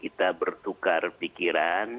kita bertukar pikiran